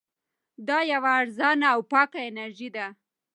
دا یوه ارزانه او پاکه انرژي ده.